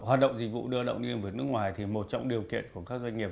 hoạt động dịch vụ đưa lao động liên hệ nước ngoài thì một trong điều kiện của các doanh nghiệp